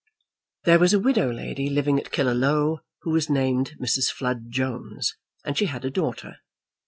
There was a widow lady living at Killaloe who was named Mrs. Flood Jones, and she had a daughter.